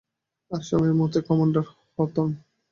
আর সবসময়ের মতোই, commander Hawthorne.